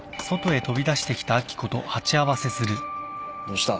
どうした？